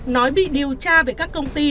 nói bị điều tra về các công ty